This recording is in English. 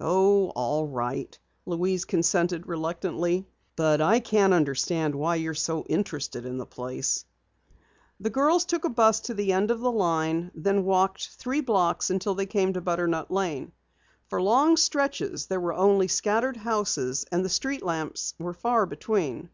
"Oh, all right," Louise consented reluctantly. "But I can't understand why you're so interested in the place." The girls took a bus to the end of the line, then walked three blocks until they came to Butternut Lane. For long stretches there were only scattered houses and the street lamps were far between.